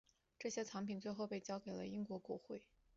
这些藏品最后被交给了英国国会。